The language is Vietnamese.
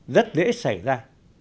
rất dễ xảy ra